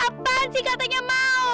apaan sih katanya mau